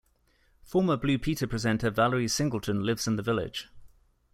Former Blue Peter presenter Valerie Singleton lives in the village.